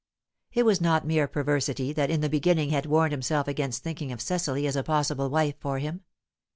It was not mere perversity that in the beginning had warned him against thinking of Cecily as a possible wife for him.